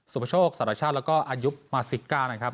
ประโชคสารชาติแล้วก็อายุมาซิกก้านะครับ